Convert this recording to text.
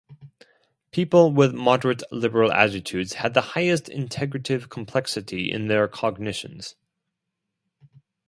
People with moderate liberal attitudes had the highest integrative complexity in their cognitions.